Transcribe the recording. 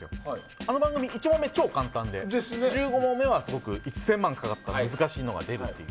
あの番組、１問目超簡単で１５問目は１０００万円かかった難しいのが出るっていう。